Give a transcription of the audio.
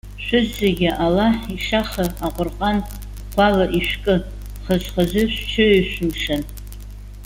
Шәыззегьы, Аллаҳ ишаха Аҟәырҟан ӷәӷәала ишәкы. Хаз-хазы шәҽеиҩышәымшан.